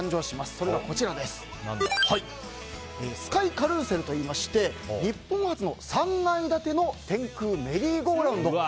それがスカイカルーセルといいまして日本初の３階建ての天空メリーゴーラウンドと。